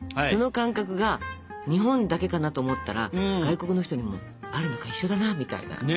その感覚が日本だけかなと思ったら外国の人にもあるのか一緒だなみたいな。